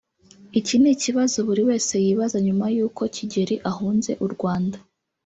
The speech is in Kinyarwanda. Iki ni ikibazo buri wese yibaza nyuma y’uko Kigeli ahunze u Rwanda